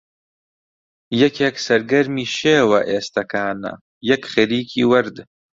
یەکێک سەرگەرمی شێوە ئێستەکانە، یەک خەریکی وەرد